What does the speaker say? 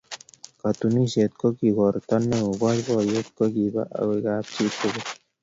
Katunisyet kokiigorta neo, boiboiyet kokiba ako kapchi tugul.